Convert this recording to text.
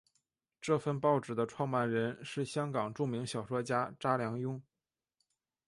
这份报纸的创办人是香港著名小说家查良镛。